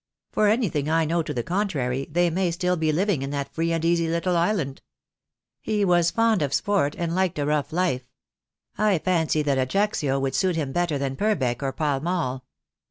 For anything I know to the contrary they may still be living in that free and easy little island. He was fond of sport, and liked a rough life. I fancy that Ajaccio would suit him better than Purbeck or Pall Mall."